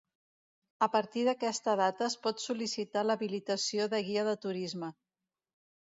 A partir d'aquesta data, es pot sol·licitar l'habilitació de guia de turisme.